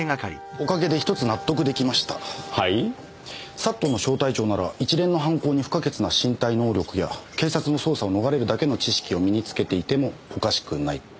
ＳＡＴの小隊長なら一連の犯行に不可欠な身体能力や警察の捜査を逃れるだけの知識を身につけていてもおかしくない。